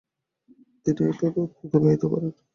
তিনি এতেই অতিবাহিত করেন।